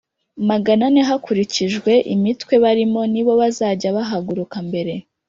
magana ane hakurikijwe imitwe barimo Ni bo bazajya bahaguruka mbere